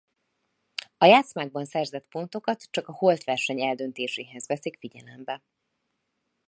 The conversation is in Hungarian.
A játszmákban szerzett pontokat csak a holtverseny eldöntéséhez veszik figyelembe.